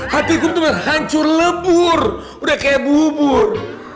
hatiku bener bener hancur lebur udah kayak bubur